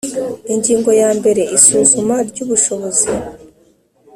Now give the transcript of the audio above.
Ingingo ya mbere Isuzuma ry ubushobozi